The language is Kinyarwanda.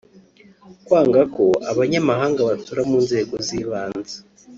kwanga ko abanyamahanga batora mu nzego z’ibanze